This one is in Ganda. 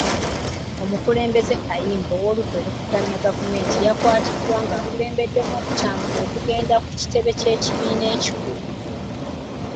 Omukulembeze kayingo ow'oludda oluvuganya gavumenti yakwatiddwa ng'akulembeddemu okutambula okugenda ku kitebe ky'ekibiina ekikulu.